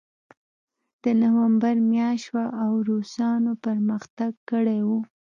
د نومبر میاشت وه او روسانو پرمختګ کړی و